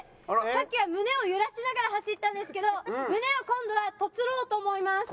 さっきは胸を揺らしながら走ったんですけど胸を今度は凸ろうと思います。